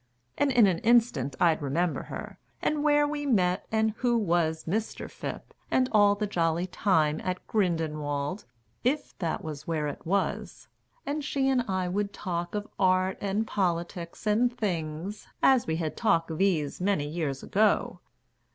And in an instant I'd remember her, And where we met, and who was Mr. Phipp, And all the jolly time at Grindelwald (If that was where it was); and she and I Would talk of Art and Politics and things As we had talked these many years ago....